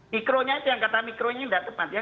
mikronya itu yang kata mikronya tidak tepat ya